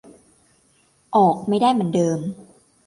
ออกไม่ได้เหมือนเดิม